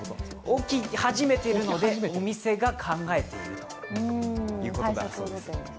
起き始めているので、お店が考えているということだそうです。